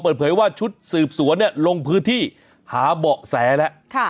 เปิดเผยว่าชุดสืบสวนเนี่ยลงพื้นที่หาเบาะแสแล้ว